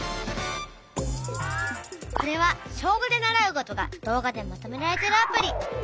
これは小５で習うことが動画でまとめられてるアプリ。